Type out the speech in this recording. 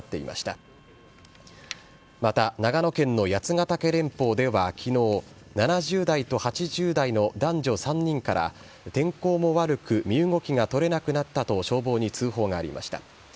また、長野県の八ヶ岳連峰ではきのう、７０代と８０代の男女３人から、天候も悪く、身動きが取れなくなったと消防に通報がありました。